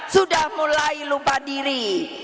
sudah mulai lupa diri